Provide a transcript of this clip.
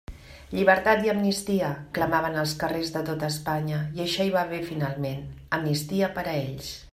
«Llibertat i amnistia» clamaven als carrers de tota Espanya, i això hi va haver finalment: amnistia per a ells.